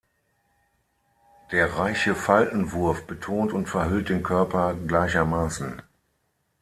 Der reiche Faltenwurf betont und verhüllt den Körper gleichermaßen.